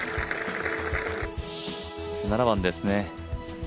７番ですね。